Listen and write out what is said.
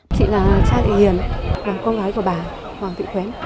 chị là cha thị hiền con gái của bà hoàng thị khuếm